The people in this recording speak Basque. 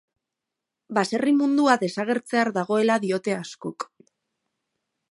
Baserri mundua desagertzear dagoela diote askok.